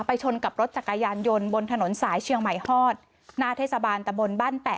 ชนกับรถจักรยานยนต์บนถนนสายเชียงใหม่ฮอดหน้าเทศบาลตะบนบ้านแปะ